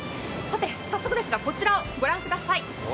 早速ですがこちらをご覧ください。